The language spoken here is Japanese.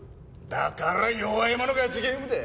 だから弱い者勝ちゲームだ。